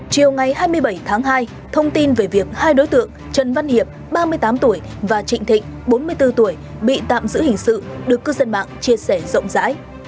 chiều ngày hai mươi bảy tháng hai thông tin về việc hai đối tượng trần văn hiệp ba mươi tám tuổi và trịnh thịnh bốn mươi bốn tuổi bị tạm giữ hình sự được cư dân mạng chia sẻ rộng rãi